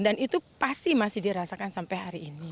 dan itu pasti masih dirasakan sampai hari ini